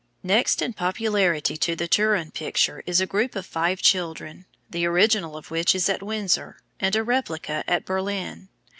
Next in popularity to the Turin picture is a group of five children, the original of which is at Windsor, and a replica at Berlin.